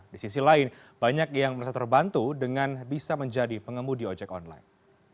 di sisi lain banyak yang merasa terbantu dengan bisa menjadi pengemudi ojek online